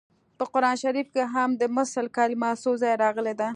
په قران شریف کې هم د مثل کلمه څو ځایه راغلې ده